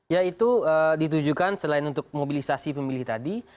ya itu ditujukan selain untuk mobilisasi pemilih tadi